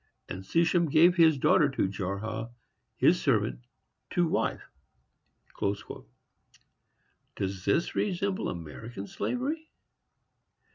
And Sheshan gave his daughter to Jarha, his servant, to wife." Does this resemble American slavery?